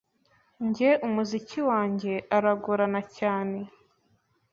Njye umuziki wanjye aragorana cyane